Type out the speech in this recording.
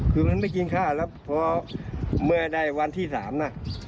คือมันไม่กินข้าวแล้วพอเมื่อได้วันที่๓นะ